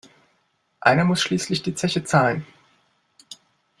Einer muss schließlich die Zeche zahlen.